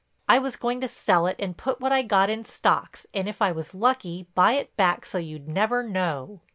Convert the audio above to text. I was going to sell it and put what I got in stocks and if I was lucky buy it back so you'd never know.